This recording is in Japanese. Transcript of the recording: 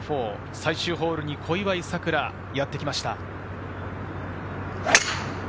最終ホールに小祝さくらがやってきました。